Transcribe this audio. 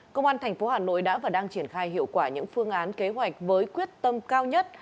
công an tp hà nội đã và đang triển khai hiệu quả những phương án kế hoạch với quyết tâm cao nhất